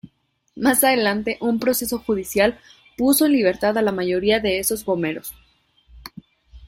Más adelante un proceso judicial puso en libertad a la mayoría de esos gomeros.